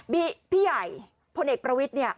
บิ๊กพี่ใหญ่พลเอกประวิทย์